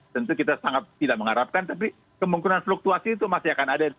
tentu kita sangat tidak mengharapkan tapi kemungkinan fluktuasi itu masih akan ada